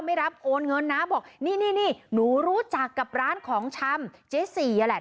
ไม่รับโอนเงินนะบอกนี่นี่หนูรู้จักกับร้านของชำเจ๊สี่อ่ะแหละ